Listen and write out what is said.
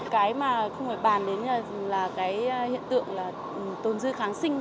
cái mà không phải bàn đến là hiện tượng tồn dư kháng sinh